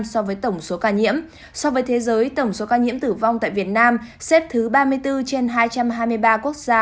so với tổng số ca nhiễm so với thế giới tổng số ca nhiễm tử vong tại việt nam xếp thứ ba mươi bốn trên hai trăm hai mươi ba quốc gia